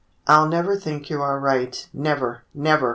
! "I'll never think you are right, never, never!"